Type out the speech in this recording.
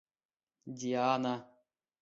Диана